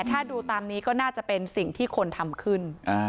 ถ้าดูตามนี้ก็น่าจะเป็นสิ่งที่คนทำขึ้น